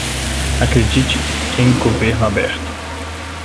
Acredite em governo aberto